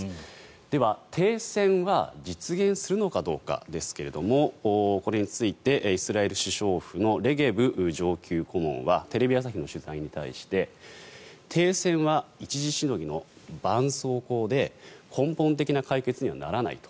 では、停戦は実現するのかどうかですがこれについてイスラエル首相府のレゲブ上級顧問はテレビ朝日の取材に対して停戦は一時しのぎのばんそうこうで根本的な解決にはならないと。